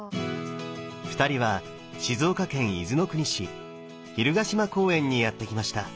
２人は静岡県伊豆の国市蛭ヶ島公園にやって来ました。